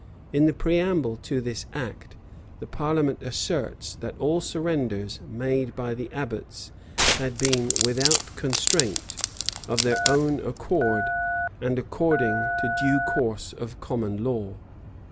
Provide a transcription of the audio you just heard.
In the preamble to this act, the parliament asserts, that all the surrenders made by the abbots had been "without constraint, of their own accord, and according to due course of common law."